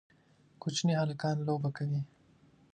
کوچني هلکان لوبه کوي